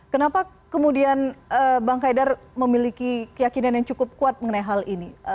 kenapa kemudian bang haidar memiliki keyakinan yang cukup kuat mengenai hal ini